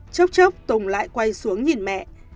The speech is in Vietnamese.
chốc chốc tùng lại quay xuống nhìn mẹ